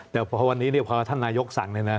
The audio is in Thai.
แต่พอวันนี้พอท่านนายกสั่งเนี่ยนะ